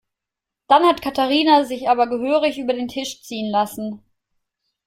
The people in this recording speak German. Dann hat Katharina sich aber gehörig über den Tisch ziehen lassen.